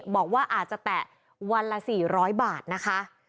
บอกว่าอาจจะแตะวันละ๔๐๐บาทนะคะ